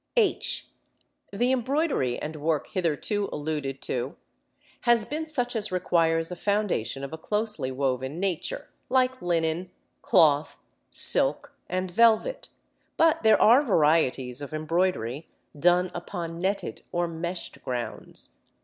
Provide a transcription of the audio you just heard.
"] (h) The embroidery and work hitherto alluded to has been such as requires a foundation of a closely woven nature, like linen, cloth, silk, and velvet. But there are varieties of embroidery done upon netted or meshed grounds.